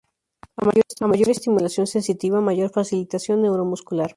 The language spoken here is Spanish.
A mayor estimulación sensitiva mayor facilitación neuromuscular.